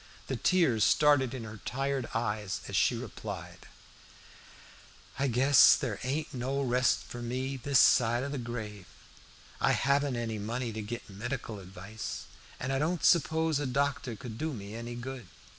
The tears started to her tired eyes, as she replied: "I guess there ain't no rest for me this side o' the grave. I haven't any money to git medical advice, and I don't suppose a doctor could do me any good.